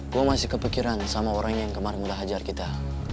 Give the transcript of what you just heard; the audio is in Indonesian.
gue masih kepikiran sama orangnya yang kemarin udah hajar kita